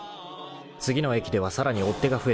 ［次の駅ではさらに追っ手が増えていた］